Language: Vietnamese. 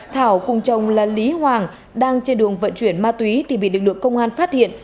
thảo cùng chồng là lý hoàng đang trên đường vận chuyển ma túy thì bị lực lượng công an phát hiện